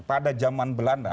pada zaman belanda